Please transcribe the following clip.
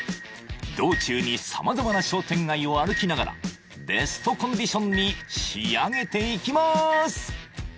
道中に様々な商店街を歩きながらベストコンディションに仕上げていきます